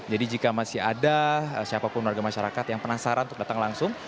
jadi jika masih ada siapapun warga masyarakat yang penasaran untuk datang langsung